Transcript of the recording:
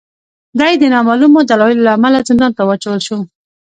دای د نامعلومو دلایلو له امله زندان ته واچول شو.